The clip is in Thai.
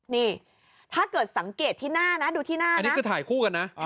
นี่ถ้าเกิดสังเกตที่หน้านะดูที่หน้าอันนี้คือถ่ายคู่กันนะ